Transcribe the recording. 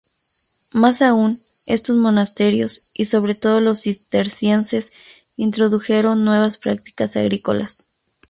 Más aún, estos monasterios, y sobre todo los cistercienses introdujeron nuevas prácticas agrícolas.